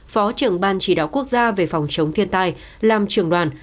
phó trưởng ban chỉ đạo quốc gia về phòng chống thiên tai làm trưởng đoàn